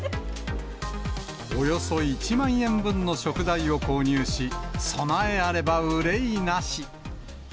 およそ１万円分の食材を購入し、備えあれば憂いなし。